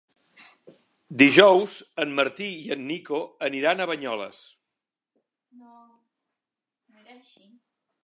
Dijous en Martí i en Nico aniran a Banyoles.